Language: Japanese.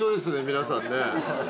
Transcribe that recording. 皆さんね。